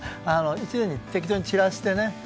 １年に適当に散らしてね。